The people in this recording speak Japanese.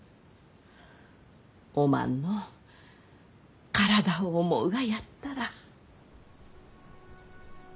おまんの体を思うがやったら。